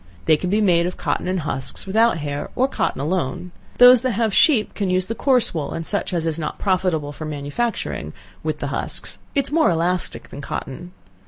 They can be made of cotton and husks, without hair, or cotton alone. Those that have sheep can use the coarse wool, (and such as is not profitable for manufacturing,) with the husks, it is more elastic than cotton.